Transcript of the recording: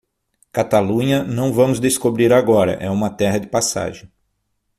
Catalunha, não vamos descobrir agora, é uma terra de passagem.